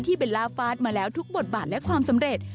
เบลล่าฟาดมาแล้วทุกบทบาทและความสำเร็จ